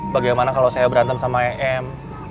bagaimana kalau saya berantem sama em